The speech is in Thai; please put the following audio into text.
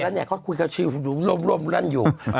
แล้วเขาคุยกับชิวอยู่ร่มรั่นอยู่